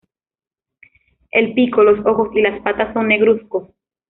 El pico, los ojos y las patas son negruzcos.